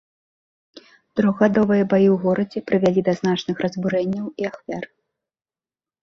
Трохгадовыя баі ў горадзе прывялі да значных разбурэнняў і ахвяр.